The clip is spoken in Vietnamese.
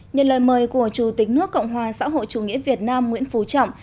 nhân lời mời của chủ tịch nước cộng hòa xã hội chủ nghĩa việt nam nguyễn phú trọng